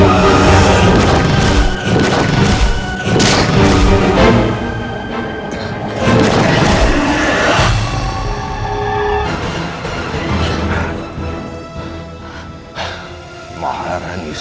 marah di sini